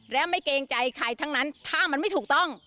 และไม่เกรงใจใครทั้งนั้นถ้ามันไม่ถูกต้อง